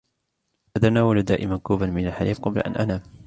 أتناول دائما كوبا من الحليب قبل أن أنام.